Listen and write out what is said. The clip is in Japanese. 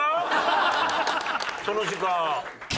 その時間。